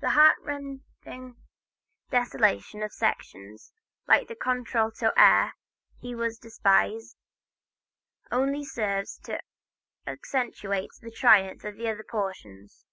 The heart rending desolation of selections like the contralto air, "He was Despised," only serves to accentuate the triumph of other portions.